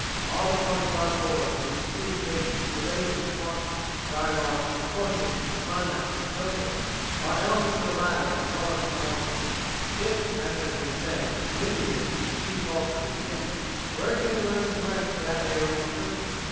All the points brought forward in the preceding pages relating to plot, dialogue, proportion, climax, and so forth, are elements of the latter as well as of the former. If, as has been said, "windiness" is the chief fault of the beginner, where can he learn to correct that error more quickly?